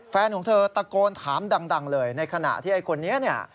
แฟนของเธอตะโกนถามดังเลยในขณะที่ไอ้คนนี้เนี่ย